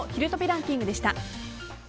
ランキングでした。